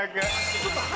ちょっと話。